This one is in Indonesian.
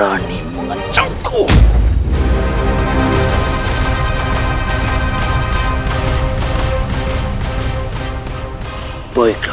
aku akan dan kijken